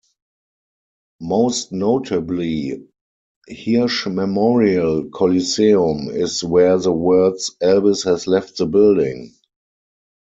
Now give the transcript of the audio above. Most notably, Hirsch Memorial Coliseum is where the words Elvis has left the building!